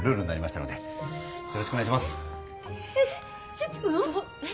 １０分？